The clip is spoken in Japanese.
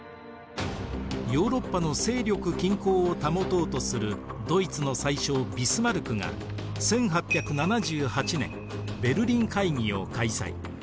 ヨーロッパの勢力均衡を保とうとするドイツの宰相ビスマルクが１８７８年ベルリン会議を開催。